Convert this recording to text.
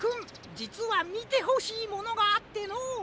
じつはみてほしいものがあってのう。